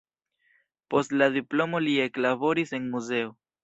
Post la diplomo li eklaboris en muzeo.